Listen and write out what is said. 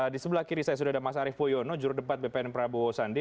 di sebelah kiri saya sudah ada mas arief puyono jurudebat bpn prabowo sandi